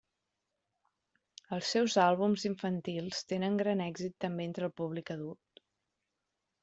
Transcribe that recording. Els seus àlbums infantils tenen gran èxit també entre el públic adult.